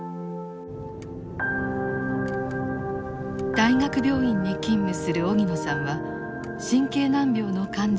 大学病院に勤務する荻野さんは神経難病の患者